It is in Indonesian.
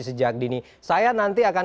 sejak dini saya nanti akan